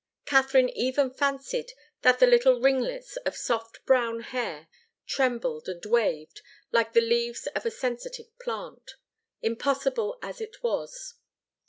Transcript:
Katharine even fancied that the little ringlets of soft brown hair trembled and waved like the leaves of a sensitive plant, impossible as it was.